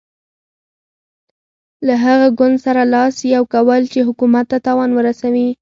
له هغه ګوند سره لاس یو کول چې حکومت ته تاوان ورسوي.